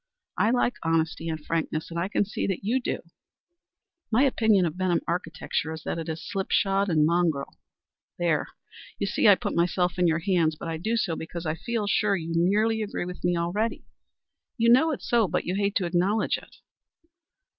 I like honesty and frankness, and I can see that you do. My opinion of Benham architecture is that it is slip shod and mongrel. There! You see I put myself in your hands, but I do so because I feel sure you nearly agree with me already. You know it's so, but you hate to acknowledge it."